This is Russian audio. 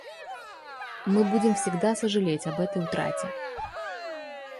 Мы будем всегда сожалеть об этой утрате.